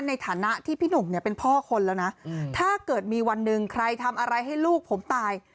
ในฐานะที่พี่หนุ่มเนี่ยเป็นพ่อคนแล้วนะถ้าเกิดมีวันหนึ่งใครทำอะไรให้ลูกผมตาย